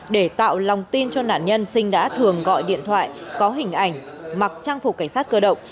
để tạo lòng tin cho nạn nhân sinh đã thường gọi điện thoại có hình ảnh mặc trang phục cảnh sát cơ động